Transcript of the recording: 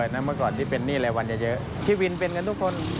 เมื่อก่อนที่เป็นหนี้รายวันจะเยอะพี่วินเป็นกันทุกคน